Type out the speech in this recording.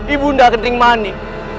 ibu nda ketering manik